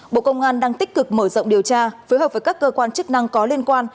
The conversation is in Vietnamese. bộ công an đang tích cực mở rộng điều tra phối hợp với các cơ quan chức năng có liên quan